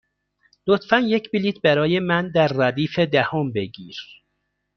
لطفا یک بلیط برای من در ردیف دهم بگیر.